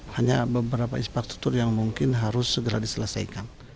hanya beberapa inspektur yang mungkin harus segera diselesaikan